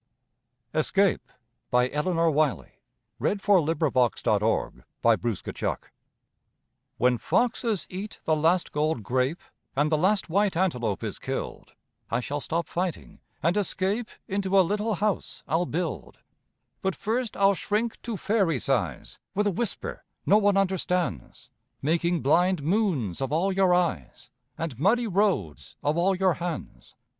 All that I Could ever ask Wears that sky Like a thin gold mask. ESCAPE When foxes eat the last gold grape, And the last white antelope is killed, I shall stop fighting and escape Into a little house I'll build. But first I'll shrink to fairy size, With a whisper no one understands, Making blind moons of all your eyes, And muddy roads of all your hands.